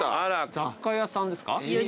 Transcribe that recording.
雑貨屋さんですか？